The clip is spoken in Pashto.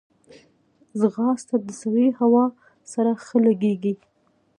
ځغاسته د سړې هوا سره ښه لګیږي